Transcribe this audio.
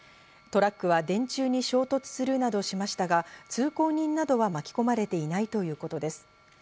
トラックは電柱に衝突するなどしましたが、通行人などは巻き込まれていないということです。